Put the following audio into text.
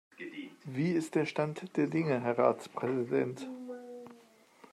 Wie ist der Stand der Dinge, Herr Ratspräsident?